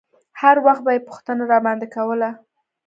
هر وخت به يې پوښتنه راباندې کوله.